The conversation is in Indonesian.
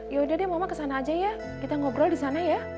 ya udah deh mama kesana aja ya kita ngobrol disana ya